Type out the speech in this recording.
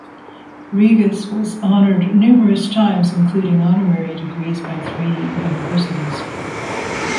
Rigas was honored numerous times, including honorary degrees by three universities.